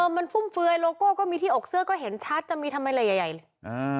มันฟุ่มเฟือยโลโก้ก็มีที่อกเสื้อก็เห็นชัดจะมีทำไมอะไรใหญ่เลย